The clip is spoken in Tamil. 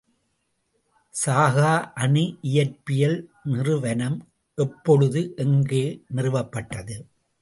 சாகா அணு இயற்பியல் நிறுவனம் எப்பொழுது எங்கு நிறுவப்பட்டது?